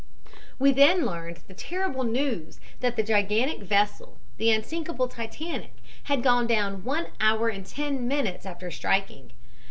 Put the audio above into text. "We then learned the terrible news that the gigantic vessel, the unsinkable Titanic, had gone down one hour and ten minutes after striking.